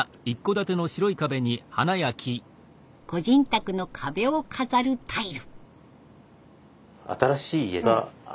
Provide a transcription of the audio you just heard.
個人宅の壁を飾るタイル。